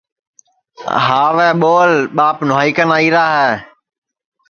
ہاوے ٻول ٻاپ نواہئی کن آئیرا ہے